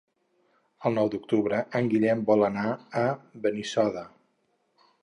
El nou d'octubre en Guillem vol anar a Benissoda.